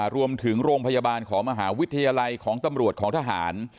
โรงพยาบาลของมหาวิทยาลัยของตำรวจของทหาร